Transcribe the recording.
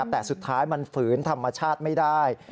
แต่สุดท้ายมันฝืนธรรมชาติไม่ได้